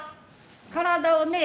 体をね